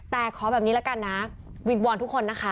แต่ขอแบบนี้ละกันนะวิงวอนทุกคนนะคะ